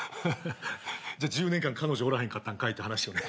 じゃあ１０年間彼女おらへんかったんかいって話よね。